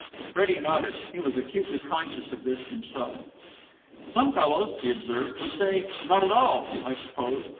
Freddie nodded. He was acutely conscious of this himself. "Some fellows," he observed, "would say 'Not at all!' I suppose.